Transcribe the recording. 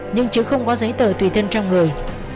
nhưng chứ không có giấy tờ tùy thân trong người